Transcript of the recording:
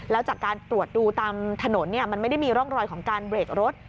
แล้วจากการตรวจดูตามถนนมันไม่ได้มีร่องรอยของการเบรกรถ